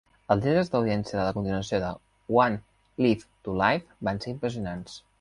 Els índexs d'audiència de la continuació de "One Life to Live" van ser impressionants.